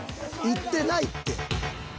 いってないって］